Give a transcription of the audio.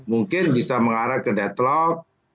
mungkin bisa mengarah ke deadlock